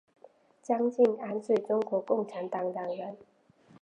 张敬安是中国共产党党员。